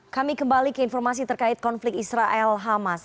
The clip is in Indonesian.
kami kembali ke informasi terkait konflik israel hamas